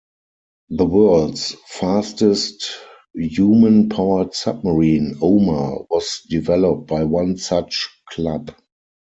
The world's fastest human powered submarine, Omer, was developed by one such club.